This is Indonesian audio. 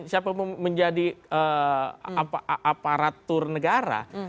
siapapun yang menjadi aparatur negara